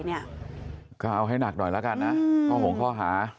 เอาให้หนักหน่อยแล้วกันต้องหงค่อหา